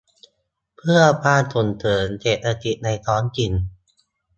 เพื่อความส่งเสริมเศรษฐกิจในท้องถิ่น